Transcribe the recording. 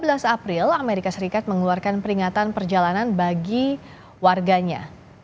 sebelas april amerika serikat mengeluarkan peringatan perjalanan bagi warganya